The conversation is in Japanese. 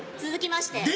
続きまして。